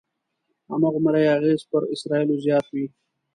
هماغومره یې اغېز پر اسرایلو زیات وي.